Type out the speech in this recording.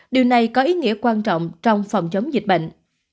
điều này có ý nghĩa quan trọng trong phòng chống dịch bệnh